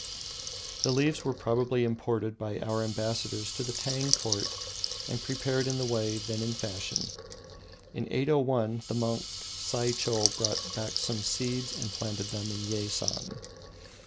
The leaves were probably imported by our ambassadors to the Tang Court and prepared in the way then in fashion. In 801 the monk Saicho brought back some seeds and planted them in Yeisan.